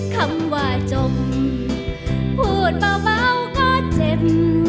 คำว่าจบพูดเบาก็เจ็บ